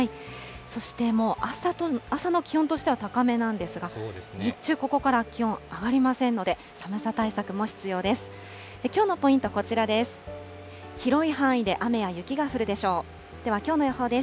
そして、もう朝の気温としては高めなんですが、日中、ここから気温上がりませんので、寒さ対策も必要です。